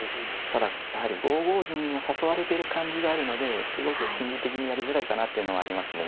ただやはり５五銀は誘われてる感じがあるのですごく心理的にやりづらいかなっていうのはありますね。